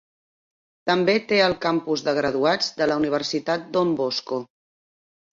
També té el campus de graduats de la Universitat Don Bosco.